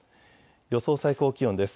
予想最高気温です。